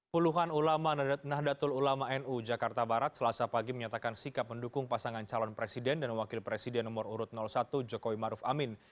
puluhan ulama nahdlatul ulama nu jakarta barat selasa pagi menyatakan sikap mendukung pasangan calon presiden dan wakil presiden nomor urut satu jokowi maruf amin